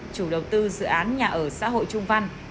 chủ đầu tư dự án nhà ở xã hội trung văn